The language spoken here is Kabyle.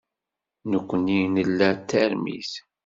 Nekkni nla tarmit.